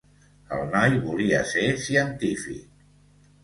El noi volia ser científic.